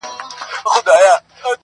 ما جوړ کړی دی دربار نوم مي امیر دی-